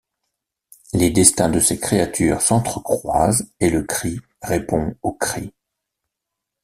Les destins de ces créatures s’entrecroisent et le cri répond au cri.